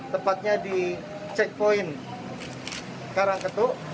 tepatnya di checkpoint karangketuk